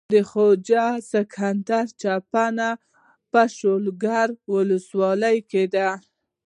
د خواجه سکندر چينه په شولګرې ولسوالۍ کې ده.